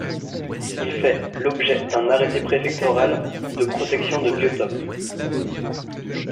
Il fait l'objet d'un arrêté préfectoral de protection de biotope.